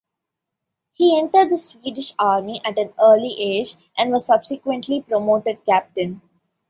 He entered the Swedish Army at an early age and was subsequently promoted captain.